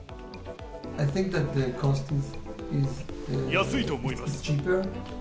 安いと思います。